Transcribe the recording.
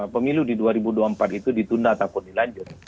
pemilu di dua ribu dua puluh empat itu ditunda ataupun dilanjut